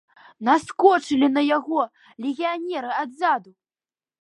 Наскочылі на яго легіянеры адзаду.